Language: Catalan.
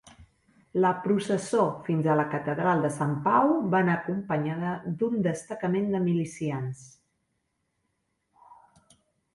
La processó fins a la catedral de Sant Pau va anar acompanyada d'un destacament de milicians.